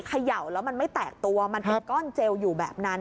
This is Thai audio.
เขย่าแล้วมันไม่แตกตัวมันเป็นก้อนเจลอยู่แบบนั้น